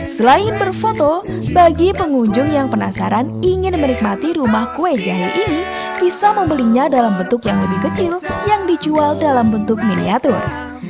selain berfoto bagi pengunjung yang penasaran ingin menikmati rumah kue jahe ini bisa membelinya dalam bentuk yang lebih kecil yang dijual dalam bentuk miniatur